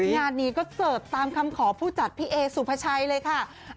งานนี้ก็เสิร์ฟตามคำขอผู้จัดพี่เอสุภาชัยเลยค่ะ